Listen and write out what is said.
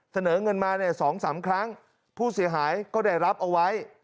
เสนอเงินมาเนี่ย๒๓ครั้งผู้เสียหายก็ได้รับเอาไว้